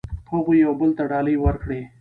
هغوی یو بل ته ډالۍ ورکړې.